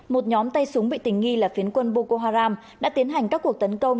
một nhóm tay súng bị tình nghi là phiến quân boko haram đã tiến hành các cuộc tấn công